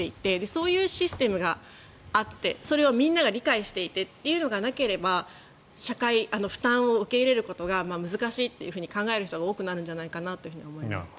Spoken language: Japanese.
そういうシステムがあってそれをみんなが理解していてっていうのがなければ負担を受け入れることは難しいと考える人が多くなるんじゃないかと思います。